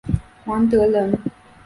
王德人。